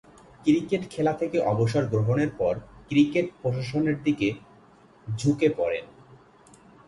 Cricket খেলা থেকে অবসর গ্রহণের পর ক্রিকেট প্রশাসনের দিকে ঝুঁকে পড়েন।